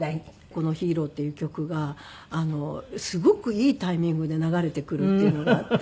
この『ヒーロー』っていう曲はすごくいいタイミングで流れてくるっていうのがあって。